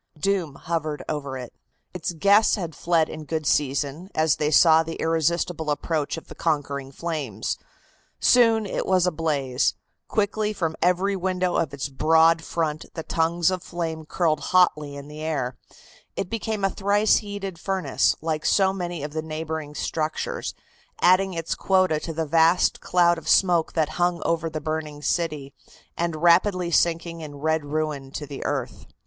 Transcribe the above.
Doom hovered over it. Its guests had fled in good season, as they saw the irresistible approach of the conquering flames. Soon it was ablaze; quickly from every window of its broad front the tongues of flame curled hotly in the air; it became a thrice heated furnace, like so many of the neighboring structures, adding its quota to the vast cloud of smoke that hung over the burning city, and rapidly sinking in red ruin to the earth.